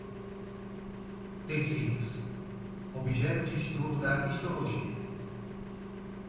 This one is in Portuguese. Tecidos: objeto de estudo da histologia